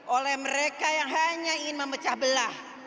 oleh mereka yang hanya ingin memecah belah